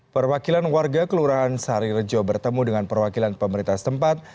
perwakilan warga kelurahan sari rejo bertemu dengan perwakilan pemerintah setempat